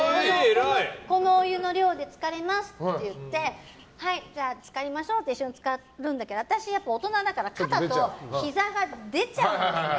このお湯の量で浸かれますって言ってじゃあ、一緒に浸かるんだけど私、大人だから肩とひざが出ちゃうんですね。